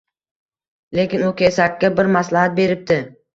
Lekin u kesakka bir maslahat beribdi: